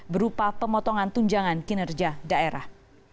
berupa pemotongan tunjangan kinerja daerah